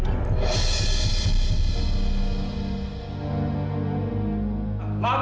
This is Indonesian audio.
permisi ya permisi